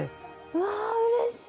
うわあうれしい！